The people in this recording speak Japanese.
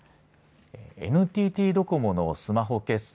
ＮＴＴドコモのスマホ決済